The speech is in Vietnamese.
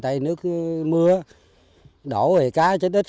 tại nước mưa đổ thì cá chết ít